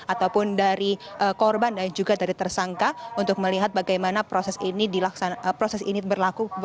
ataupun dari korban dan juga dari tersangka untuk melihat bagaimana proses ini berlaku